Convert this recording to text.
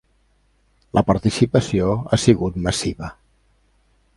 La participació ha sigut massiva.